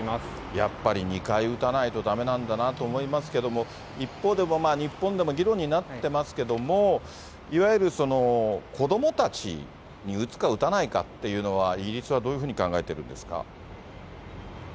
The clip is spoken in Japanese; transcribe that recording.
やっぱり２回打たないとだめなんだなと思いますけども、一方で日本でも議論になってますけれども、いわゆる子どもたちに打つか打たないかっていうのは、イギリスはどういうふうに考えているんですか？